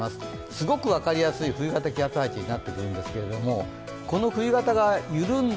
すごく分かりやすい冬型気圧配置になってくるんですけどこの冬型が緩んだ